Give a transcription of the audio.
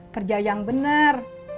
kerja yang bener